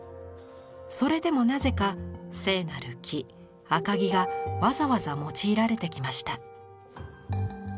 それでもなぜか聖なる木赤木がわざわざ用いられてきました。